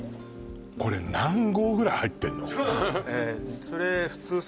これ何合ぐらい入ってんの？